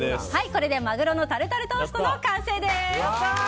これでマグロのタルタルトーストの完成です。